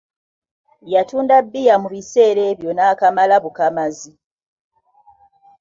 Yatunda bbiya mu biseera ebyo n'akamala bukamazi.